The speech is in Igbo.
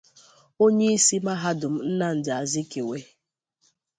onyeisi mahadum Nnamdi Azikiwe